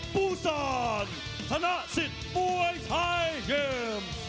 ปูซานทะนะสิดมวยไทยเยี่ยม